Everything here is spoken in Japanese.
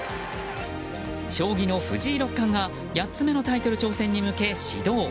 将棋の藤井六冠が８つ目のタイトル挑戦に向け始動。